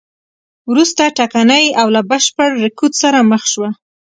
وروسته ټکنۍ او له بشپړ رکود سره مخ شوه.